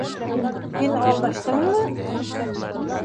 Һин алдаштыңмы?